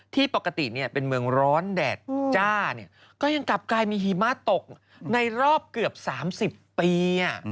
ที่ปกติเนี่ยเป็นเมืองร้อนแดดจ้าเนี่ยก็ยังกลับกลายมีหิมะตกในรอบเกือบ๓๐ปี